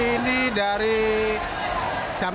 ini dari jam enam